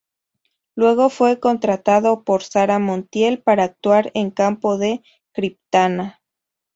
Luego fue contratado por Sara Montiel para actuar en Campo de Criptana.